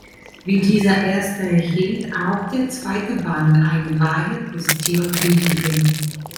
Wie dieser erste erhielt auch der zweite Band eine Reihe positiver Kritiken.